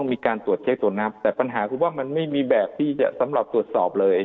มีการตรวจเช็คตรวจน้ำแต่ปัญหาคือว่ามันไม่มีแบบที่จะสำหรับตรวจสอบเลย